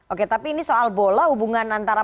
oke tapi ini soal bola hubungan antara